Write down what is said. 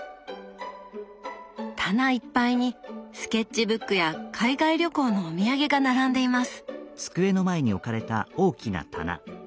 棚いっぱいにスケッチブックや海外旅行のお土産が並んでいます。